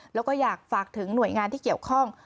แล้วก็อยากฝากถึงหน่วยงานที่เกี่ยวข้อง